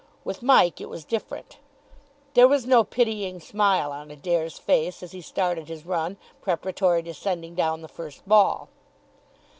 With Mike it was different. There was no pitying smile on Adair's face as he started his run preparatory to sending down the first ball.